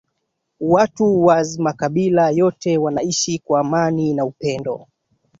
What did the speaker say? Watu was makabila yote wanaishi kwa amani ma upendo